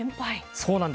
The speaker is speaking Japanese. そうなんです。